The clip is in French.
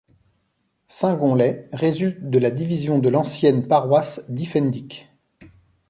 Saint-Gonlay résulte de la division de l'ancienne paroisse d'Iffendic.